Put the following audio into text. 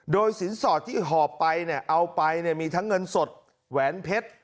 โดยสินสอดที่หอบไปเนี่ยเอาไปมีทั้งเงินสดแหวนเพชร